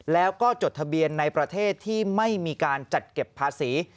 แล้วก็จดทะเบียนในประเทศที่ไม่มีการจัดเก็บภาษี